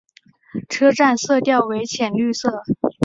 车站色调为浅绿色。